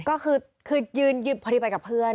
ก็คือคือยืนยึดพฤติบัตรกับเพื่อน